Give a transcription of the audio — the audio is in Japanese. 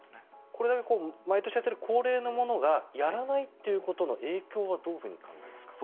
これは毎年やっている恒例のものをやらないということの影響はどういうふうに考えますか？